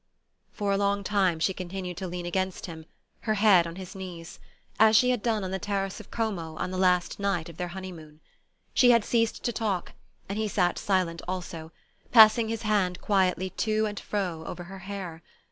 For a long time she continued to lean against him, her head on his knees, as she had done on the terrace of Como on the last night of their honeymoon. She had ceased to talk, and he sat silent also, passing his hand quietly to and fro over her hair.